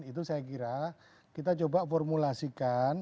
itu saya kira kita coba formulasikan